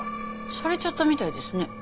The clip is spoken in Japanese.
されちゃったみたいですね。